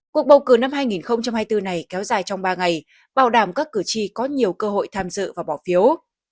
cuộc bầu cử năm hai nghìn hai mươi bốn này kéo dài trong ba ngày bảo đảm các cử tri có nhiều cơ hội tham dự và bỏ phiếu